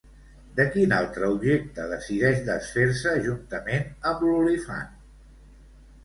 De quin altre objecte decideix desfer-se juntament amb l'olifant?